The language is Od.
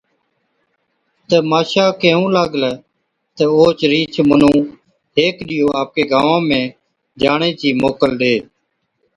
تہ ماشا ڪيهُون لاگلِي تہ او رِينچ، ’مُنُون هيڪ ڏِيئو آپڪي گانوان ۾ جاڻي چِي موڪل ڏي‘